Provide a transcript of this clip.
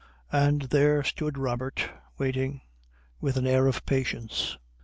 And there stood Robert, waiting, with that air of patience....